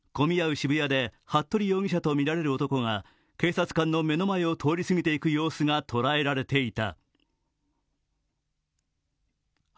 渋谷で服部容疑者とみられる男が警察官の目の前を通り過ぎていく様子が捉えられていた。